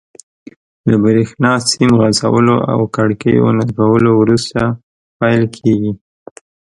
له بریښنا سیم غځولو او کړکیو نصبولو وروسته پیل کیږي.